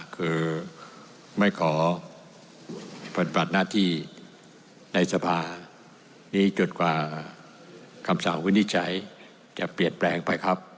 คือไม่ขอปฏิบัติหน้าที่ในสภานี้จนกว่าคำสั่งวินิจฉัยจะเปลี่ยนแปลงไปครับ